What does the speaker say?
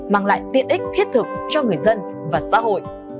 mang lại tiện ích thiết thực cho người dân và xã hội